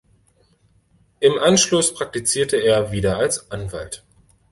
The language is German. Im Anschluss praktizierte er wieder als Anwalt.